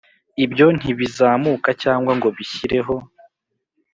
ibyo ntibizamuka cyangwa ngo bishyireho,